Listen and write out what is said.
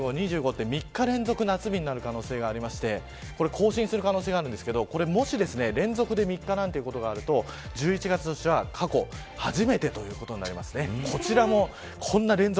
木曜日から東京も２５、２５、２５度３日連続夏日になる可能性があって更新する可能性があるんですけどもし連続で３日なんていうことがあると１１月としては過去、初めてとなります。